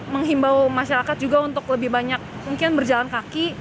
menghimbau masyarakat juga untuk lebih banyak mungkin berjalan kaki